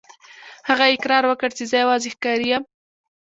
هغه اقرار وکړ چې زه یوازې ښکاري یم.